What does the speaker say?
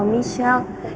apa yang bisa dikata tuhan